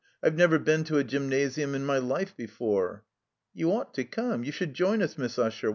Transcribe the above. I've never been to a Gymnasium in my life before." "You ought to cx>me. You should join us, Miss Usher.